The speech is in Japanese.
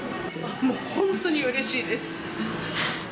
もう本当にうれしいです。